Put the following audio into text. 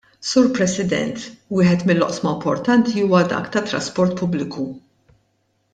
Sur President, wieħed mill-oqsma importanti huwa dak tat-trasport pubbliku.